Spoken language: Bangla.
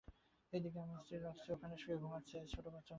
এদিকে আমার স্ত্রী রক্সি ওখানে শুয়ে ঘুমাচ্ছে, ছোট বাচ্চার মতো।